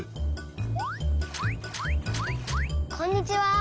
こんにちは。